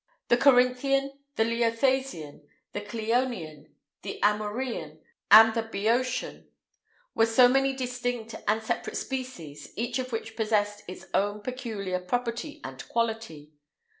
The Corinthian, the Leiothasian, the Cleonian, the Amorean, and the Bœotian, were so many distinct and separate species, each of which possessed its own peculiar property and quality.